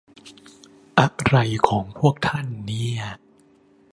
อะไรของพวกท่านเนี่ย